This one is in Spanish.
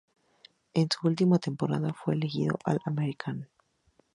En su última temporada fue elegido All-American.